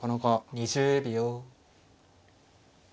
２０秒。